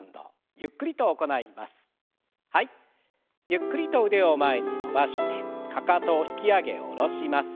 ゆっくりと腕を前に伸ばしてかかとを引き上げ下ろします。